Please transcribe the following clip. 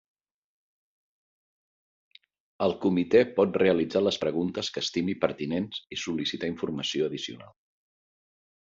El Comitè pot realitzar les preguntes que estimi pertinents i sol·licitar informació addicional.